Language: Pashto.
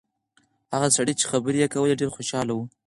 هغه سړی چې خبرې یې کولې ډېر خوشاله و.